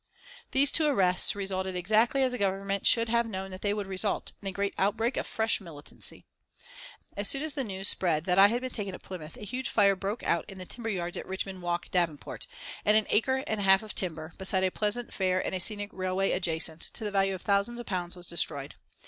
These two arrests resulted exactly as the Government should have known that they would result, in a great outbreak of fresh militancy. As soon as the news spread that I had been taken at Plymouth a huge fire broke out in the timber yards at Richmond Walk, Devenport, and an acre and a half of timber, beside a pleasure fair and a scenic railway adjacent, to the value of thousands of pounds was destroyed.